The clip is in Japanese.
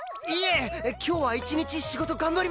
今日は一日仕事頑張りましょう！